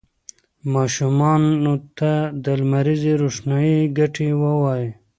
ماشومانو ته د لمریزې روښنايي ګټې ووایئ.